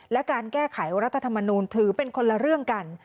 และการแก้ไขรัฐธรรมนูลถือเป็นคนละเรื่องกัน